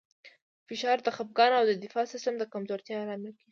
فشار د خپګان او د دفاعي سیستم د کمزورتیا لامل کېږي.